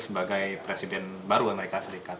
sebagai presiden baru amerika serikat